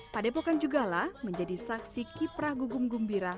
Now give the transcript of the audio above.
pada epokan juga lah menjadi saksi kiprah gugum gumbira